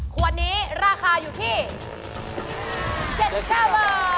ขวดนี้ราคาอยู่ที่๗๙บาท